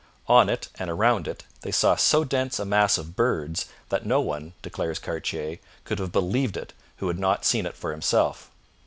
On it and around it they saw so dense a mass of birds that no one, declares Cartier, could have believed it who had not seen it for himself.